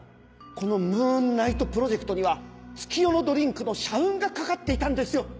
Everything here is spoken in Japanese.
このムーンナイトプロジェクトには月夜野ドリンクの社運が懸かっていたんですよ。